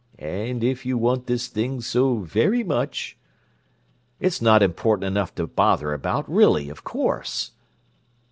And if you want this thing so very much—" "It's not important enough to bother about, really, of course."